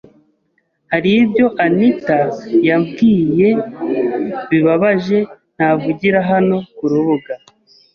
”hari ibyo Anitha yambwiye bibabaje ntavugira hano ku rubuga